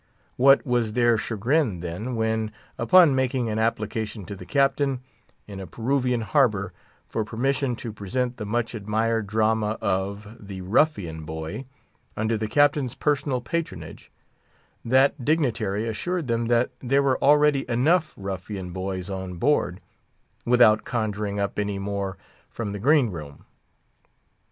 What was their chagrin, then, when, upon making an application to the Captain, in a Peruvian harbour, for permission to present the much admired drama of "The Ruffian Boy," under the Captain's personal patronage, that dignitary assured them that there were already enough ruffian boys on board, without conjuring up any more from the green room.